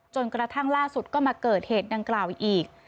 จนกระทั่งล่าสุดก็มาเกิดเหตุดังกล่าวอีก